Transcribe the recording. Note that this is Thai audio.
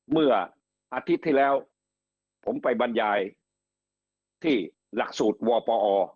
เมื่ออาทิตย์ที่แล้วผมไปบรรยายที่หลักสูตรวปอ